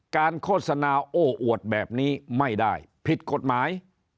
โฆษณาโอ้อวดแบบนี้ไม่ได้ผิดกฎหมาย